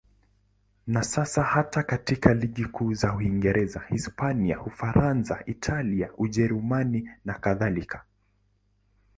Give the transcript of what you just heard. Na sasa hata katika ligi kuu za Uingereza, Hispania, Ufaransa, Italia, Ujerumani nakadhalika.